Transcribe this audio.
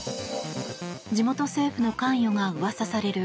地元政府の関与がうわさされる